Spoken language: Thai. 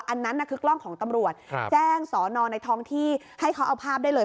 อันนั้นน่ะคือกล้องของตำรวจแจ้งสอนอในท้องที่ให้เขาเอาภาพได้เลย